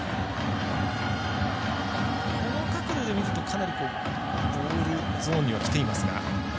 この角度で見ると、かなりボールゾーンにはきていますが。